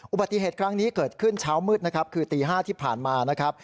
อุบัติเหตุครั้งนี้เกิดขึ้นเช้ามืดคือตี๕ที่ผ่านมา